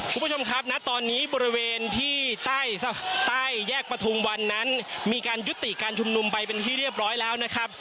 คุณผู้ชมครับณตอนนี้บริเวณที่ใต้แยกประทุมวันนั้นมีการยุติการชุมนุมไปเป็นที่เรียบร้อยแล้วนะครับ